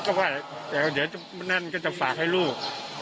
ก็ว่าเดี๋ยวนั่นก็จะฝากให้ลูก